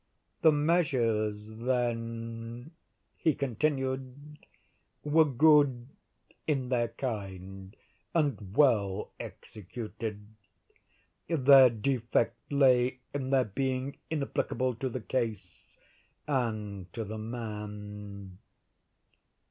"The measures, then," he continued, "were good in their kind, and well executed; their defect lay in their being inapplicable to the case, and to the man.